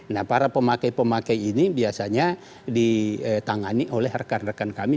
nah para pemakai pemakai ini biasanya ditangani oleh rekan rekan kami